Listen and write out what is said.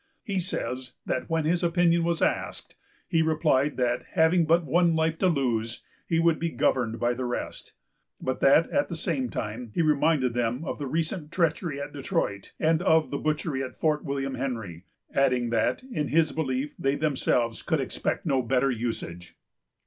He says that when his opinion was asked, he replied that, having but one life to lose, he would be governed by the rest; but that at the same time he reminded them of the recent treachery at Detroit, and of the butchery at Fort William Henry, adding that, in his belief, they themselves could expect no better usage.